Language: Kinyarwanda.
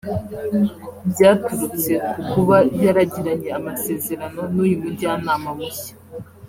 byaturutse ku kuba yaragiranye amasezerano n’uyu mujyanama mushya